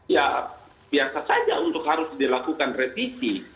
ya biasa saja untuk harus dilakukan revisi